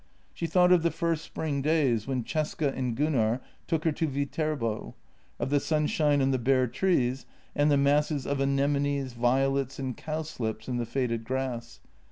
She thought of the first spring days when Cesca and Gunnar took her to Viterbo — of the sunshine on the bare trees and the masses of anemones, violets, and cowslips in the faded grass.